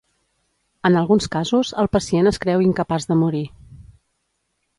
En alguns casos el pacient es creu incapaç de morir.